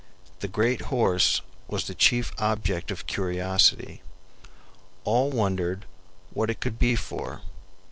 The great HORSE was the chief object of curiosity. All wondered what it could be for.